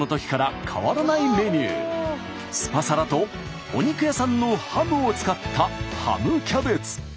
スパサラとお肉屋さんのハムを使ったハムキャベツ。